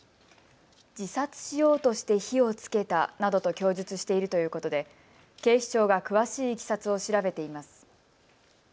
自殺しようとして火をつけたなどと供述しているということで警視庁が詳しいいきさつを調べています。